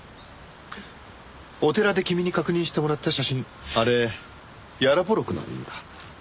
お寺で君に確認してもらった写真あれヤロポロクなんだ。